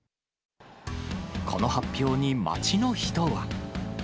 この発表に街の人は。